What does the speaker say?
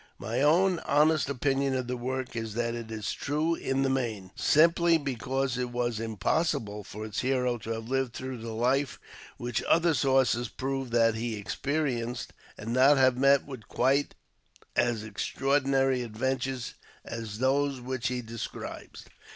My own honest opinion of the work is that it is true in the main, simply because it was impossible for its hero to have lived through the life w^hich other sources prove that he experienced, and not have met with quite as extraor NEW ENGLISH EDITION. 13 dinary adventures as those which he describes.